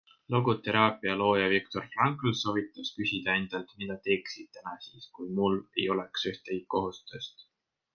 Logoteraapia looja Viktor Frankl soovitas küsida endalt, mida teeksin täna siis, kui mul ei oleks ühtegi kohustust.